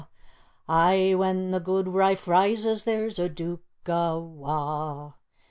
Aye, when the guidwife rises there's a deuk awa'!